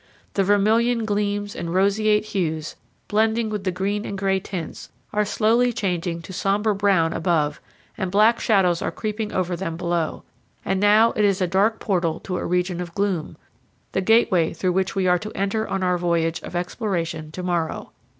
The vermilion gleams and roseate hues, blending with the green and gray tints, are slowly changing to somber brown above, and black shadows are creeping over them below; and now it is a dark portal to a region of gloom the gateway through which we are to enter on our voyage of exploration tomorrow.